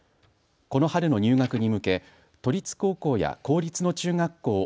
この春の入学に向け都立高校や公立の中学校